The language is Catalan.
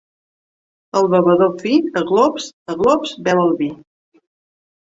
El bevedor fi a glops, a glops, beu el vi.